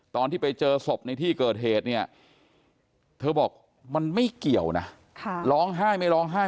ตอนที่ไปเจอศพในที่เกิดเหตุเนี่ยเธอบอกมันไม่เกี่ยวนะร้องไห้ไม่ร้องไห้